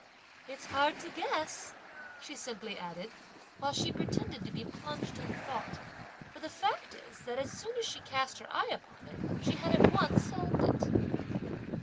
"It's hard to guess!" she simply added, while she pretended to be plunged in thought, for the fact is that as soon as she had cast her eye upon it, she had at once solved it.